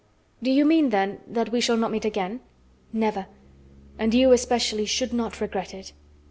"Do you mean then that we shall not meet again?" "Never! And you, especially, should not regret it."